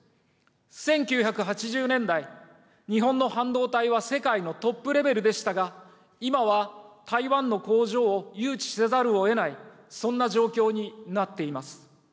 １９８０年代、日本の半導体は世界のトップレベルでしたが、今は台湾の工場を誘致せざるをえない、そんな状況になっています。